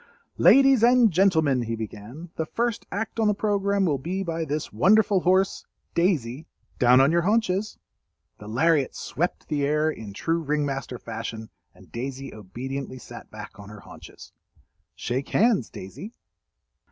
"Ladies and Gentlemen," he began, "the first act on the programme will be by this wonderful horse—Daisy, down on your haunches!" The lariat swept the air in true ring master fashion, and Daisy obediently sat back on her haunches. "Shake hands, Daisy."